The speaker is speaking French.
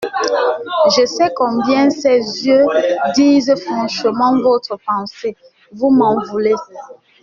Je sais combien ces yeux disent franchement votre pensée … Vous m'en voulez.